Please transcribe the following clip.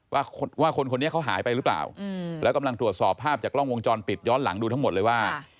ว่าคนคนนี้เขาหายไปหรือเปล่าแล้วกำลังตรวจสอบภาพจากกล้องวงจรปิดย้อนหลังดูทั้งหมดเลยว่า